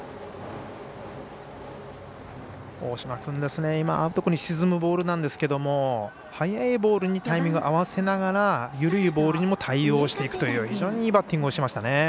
大島君、今のは沈むボールなんですけど速いボールにタイミング合わせながら緩いボールにも対応していくという非常にいいバッティングをしました。